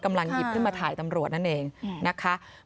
กำลังหยิบขึ้นมาถ่ายตำรวจนั่นเองนะคะ